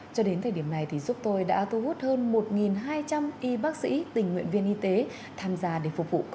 cho đến thời điểm này thì giúp tôi đã thu hút hơn một hai trăm linh y bác sĩ tình nguyện viên y tế